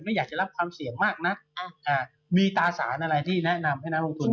ไม่อยากจะรับความเสี่ยงมากนักมีตาสารอะไรที่แนะนำให้นักลงทุน